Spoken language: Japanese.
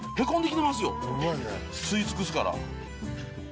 吸い尽くすから。